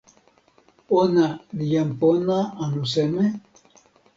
ona li jan pona anu seme?